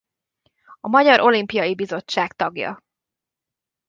A Magyar Olimpiai Bizottság tagja.